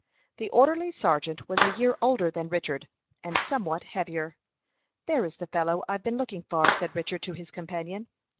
The orderly sergeant was a year older than Richard, and somewhat heavier. "There is the fellow I've been looking for," said Richard to his companion.